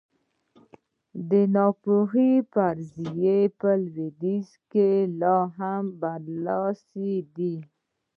د ناپوهۍ فرضیه په لوېدیځ کې لا هم برلاسې ده.